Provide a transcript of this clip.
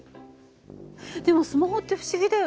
でもスマホって不思議だよね。